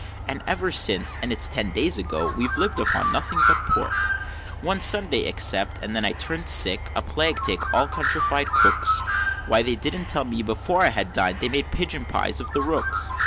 And ever since and it's ten days ago we've lived upon nothing but pork; One Sunday except, and then I turn'd sick, a plague take all countrified cooks! Why didn't they tell me, before I had dined, they made pigeon pies of the rooks?